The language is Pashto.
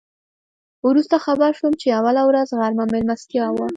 وروسته خبر شوم چې اوله ورځ غرمه میلمستیا وه.